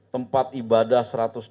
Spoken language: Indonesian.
tempat ibadah satu ratus dua puluh empat